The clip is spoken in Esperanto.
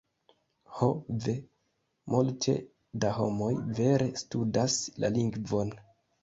"Ho ve, multe da homoj vere studas la lingvon.